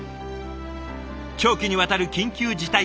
長期にわたる緊急事態宣言。